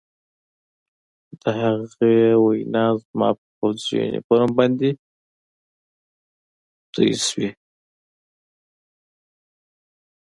د هغه وینې زما په پوځي یونیفورم باندې تویې شوې